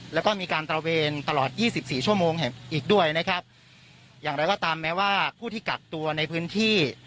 แล้วก็มีการตระเวนตลอดยี่สิบสี่ชั่วโมงแห่งอีกด้วยนะครับอย่างไรก็ตามแม้ว่าผู้ที่กักตัวในพื้นที่